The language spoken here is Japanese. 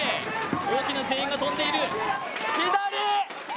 大きな声援が飛んでいる。